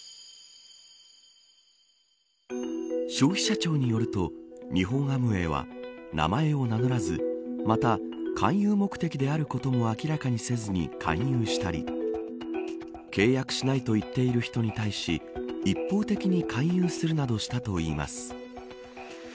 消費者庁によると日本はアムウェイは名前を名乗らずまた、勧誘目的であることも明らかにせずに勧誘したり契約しないと言っている人に対し一方的に勧誘するなどしたといいます。